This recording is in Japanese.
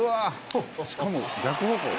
しかも逆方向。